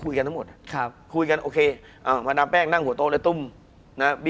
คุณผู้ชมบางท่าอาจจะไม่เข้าใจที่พิเตียร์สาร